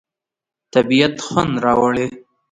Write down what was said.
طبیعت خوند راوړي.